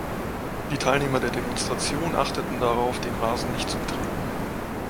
Die Teilnehmer der Demonstration achteten darauf, den Rasen nicht zu betreten.